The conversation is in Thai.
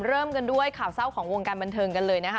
เริ่มกันด้วยข่าวเศร้าของวงการบันเทิงกันเลยนะคะ